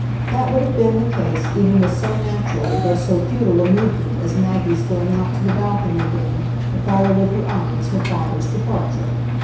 That would have been the case even with so natural, though so futile, a movement as Maggie's going out to the balcony again to follow with her eyes her father's departure.